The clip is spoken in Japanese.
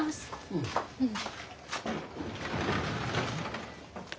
うん。